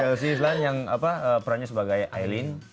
sama chelsea islan yang apa perannya sebagai aileen